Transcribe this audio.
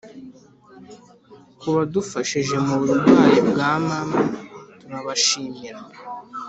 Ku badufashije mu burwayi bwa mama turabashimira